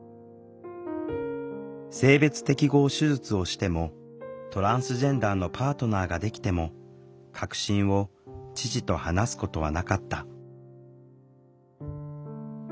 性別適合手術をしてもトランスジェンダーのパートナーができても核心を父と話すことはなかった。